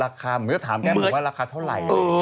ราคาเหมือนกับถามแก่มือว่าราคาเท่าไหร่